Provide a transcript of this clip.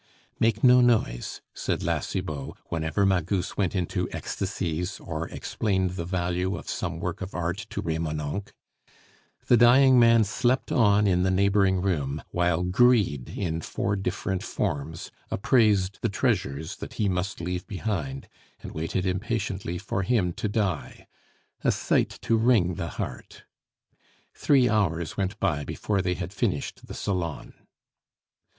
"Make no noise," said La Cibot whenever Magus went into ecstasies or explained the value of some work of art to Remonencq. The dying man slept on in the neighboring room, while greed in four different forms appraised the treasures that he must leave behind, and waited impatiently for him to die a sight to wring the heart. Three hours went by before they had finished the salon.